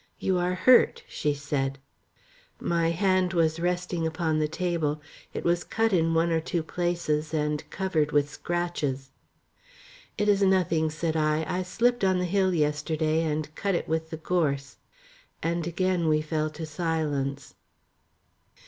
"You are hurt," she said. My right hand was resting upon the table. It was cut in one or two places, and covered with scratches. "It is nothing," said I, "I slipped on the hill yesterday night and cut it with the gorse;" and again we fell to silence.